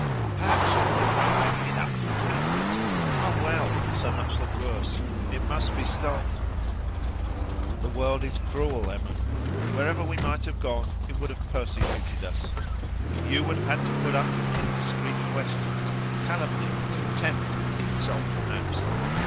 "Perhaps she'll think I'm giving it up from avarice. Ah, well! so much the worse; it must be stopped!" "The world is cruel, Emma. Wherever we might have gone, it would have persecuted us. You would have had to put up with indiscreet questions, calumny, contempt, insult perhaps.